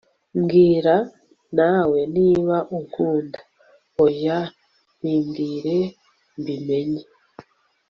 mbwira nawe niba unkunda oya bimbwire mbimenye